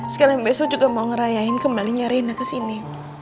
sekali yang besok juga mau ngerayain kembalinya rena kesini